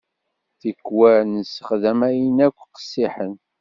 Tikwal nessexdam ayen akk qessiḥen.